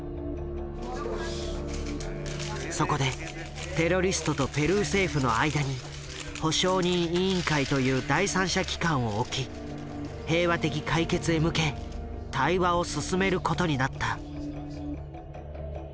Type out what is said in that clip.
そこでテロリストとペルー政府の間に保証人委員会という第三者機関を置き平和的解決へ向け対話を進めることになった。